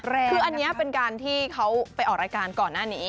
คืออันนี้เป็นการที่เขาไปออกรายการก่อนหน้านี้